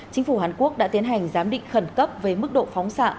chính phủ hàn quốc đã tiến hành giám định khẩn cấp với mức độ phóng xạ